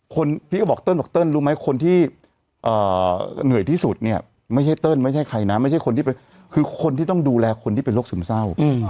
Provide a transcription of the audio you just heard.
พี่ก็บอกเติ้ลบอกเติ้ลรู้ไหมคนที่เหนื่อยที่สุดเนี่ยไม่ใช่เติ้ลไม่ใช่ใครนะไม่ใช่คนที่เป็นคือคนที่ต้องดูแลคนที่เป็นโรคซึมเศร้า